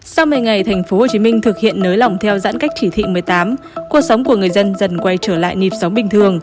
sau một mươi ngày tp hcm thực hiện nới lỏng theo giãn cách chỉ thị một mươi tám cuộc sống của người dân dần quay trở lại nhịp sống bình thường